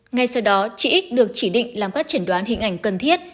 ngay sau đó chị x được chỉ định làm các chẩn đoán hình ảnh cần thiết